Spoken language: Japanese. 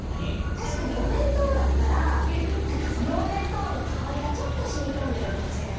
たしかにおべんとうだったらなんかそのおべんとうのかおりがちょっとしみこんでるかもしれない。